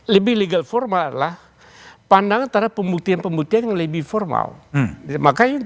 lebih legal formal adalah pandangan terhadap pembuktian pembuktian yang lebih formal maka yang